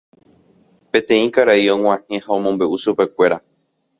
Peteĩ karai og̃uahẽ ha omombe'u chupekuéra.